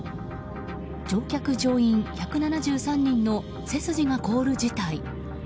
乗客・乗員１７３人の背筋が凍る事態。